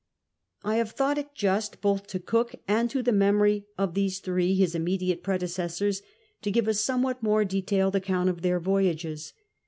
I have thought it just both to Cook and to the memory of these three, his immediate predecessors, to give a somewhat more detailed account of their voyages.